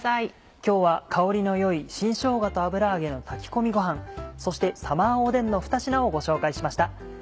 今日は香りの良い「新しょうがと油揚げの炊き込みごはん」そして「サマーおでん」のふた品をご紹介しました。